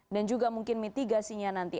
dan juga mungkin mitigasinya nanti